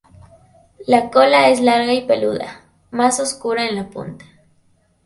La cola es larga y peluda, más oscura en la punta.